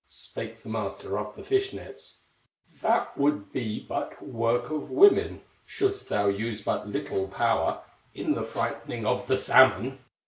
Spake the master of the fish nets: "That would be but work of women, Shouldst thou use but little power In the frighting of the salmon!"